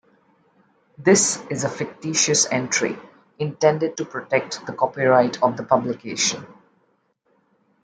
This is a fictitious entry, intended to protect the copyright of the publication.